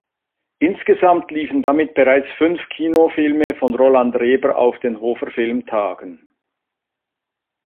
Insgesamt liefen damit bereits fünf Kinofilme von Roland Reber auf den Hofer Filmtagen.